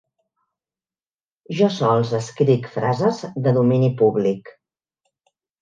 Jo sols escric frases de domini públic